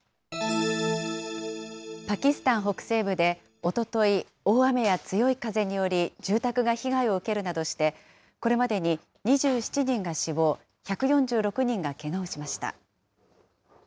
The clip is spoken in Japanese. パキスタン北西部でおととい、大雨や強い風により、住宅が被害を受けるなどして、これまでに２７人が死亡、１４６人がけがをしました。